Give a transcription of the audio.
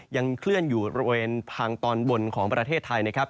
ยังเคลื่อนอยู่บริเวณทางตอนบนของประเทศไทยนะครับ